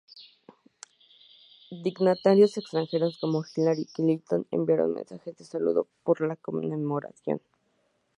Dignatarios extranjeros como Hillary Clinton enviaron mensajes de saludo por la conmemoración.